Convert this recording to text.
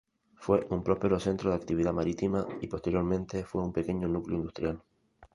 Fue un próspero centro de actividad marítima, y posteriormente fue un pequeño núcleo industrial.